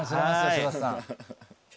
柴田さん。